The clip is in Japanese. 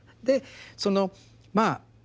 でそのまあ